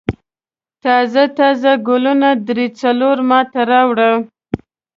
تازه تازه ګلونه درې څلور ما ته راوړه.